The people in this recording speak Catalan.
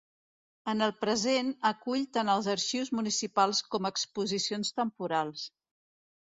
En el present acull tant els arxius municipals com exposicions temporals.